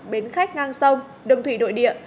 bến khách ngang sông đường thủy đội địa